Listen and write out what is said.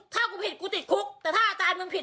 ถ้ากูผิดกูติดคุกแต่ถ้าอาจารย์มึงผิด